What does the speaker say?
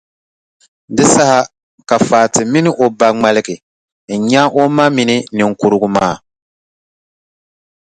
Di saha ka Fati mini o ba ŋmaligi n-nya o ma mini niŋkurugu maa.